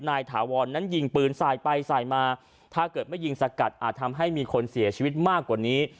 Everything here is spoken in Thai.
ถาวรนั้นยิงปืนสายไปสายมาถ้าเกิดไม่ยิงสกัดอาจทำให้มีคนเสียชีวิตมากกว่านี้